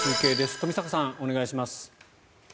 冨坂さん、お願いします。